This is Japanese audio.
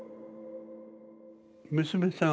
娘さん